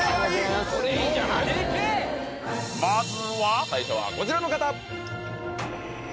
まずは最初はこちらの方！